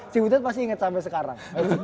cibutet pasti ingat sampai sekarang